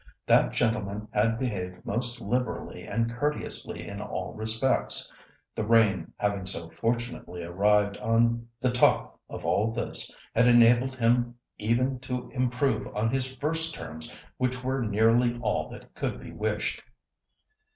That gentleman had behaved most liberally and courteously in all respects. The rain having so fortunately arrived on the top of all this, had enabled him even to improve on his first terms, which were nearly all that could be wished.